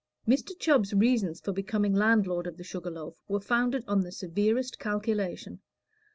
Mr. Chubb's reasons for becoming landlord of the Sugar Loaf, were founded on the severest calculation.